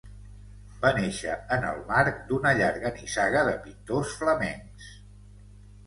Va néixer en el marc d'una llarga nissaga de pintors flamencs.